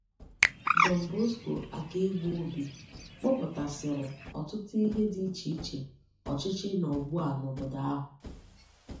Johnbosco Akaegbobi kpọpụtasịrị ọtụtụ ihe dị iche iche ọchịchị nọ ugbua n'obodo ahụ